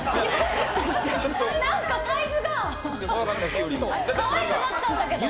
何かサイズがかわいくなったんだけど。